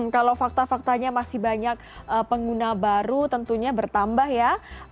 kalau fakta faktanya masih banyak pengguna baru tentunya bertambah ya